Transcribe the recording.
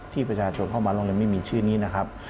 ที่ประชาชนเข้ามาโรงเรียนไม่มีชื่อนี้นะครับ